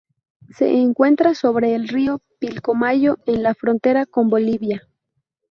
Se encuentra sobre el Río Pilcomayo en la frontera con Bolivia.